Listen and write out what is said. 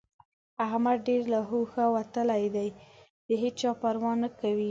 احمد ډېر له هوښه وتلی دی؛ د هيچا پروا نه کوي.